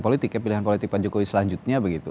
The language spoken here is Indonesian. politik ya pilihan politik pak jokowi selanjutnya begitu